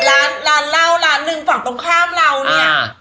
ร้านร้านเหล้าร้านหนึ่งฝั่งตรงข้ามเราเนี่ย